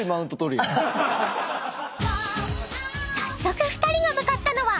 ［早速２人が向かったのは］